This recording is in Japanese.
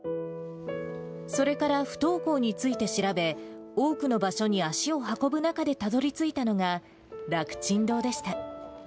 それから不登校について調べ、多くの場所に足を運ぶ中でたどりついたのが、楽ちん堂でした。